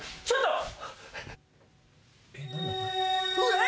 ちょっと。